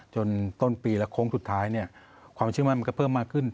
จนต้นปีและโค้งสุดท้ายความเชื่อมั่นมันก็เพิ่มมากขึ้น